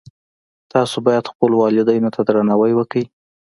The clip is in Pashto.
تاسو باید خپلو والدینو ته درناوی وکړئ